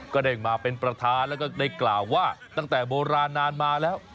ก็ได้มาเป็นประธานแล้วก็ได้กล่าวว่าตั้งแต่โบราณนานมาแล้ว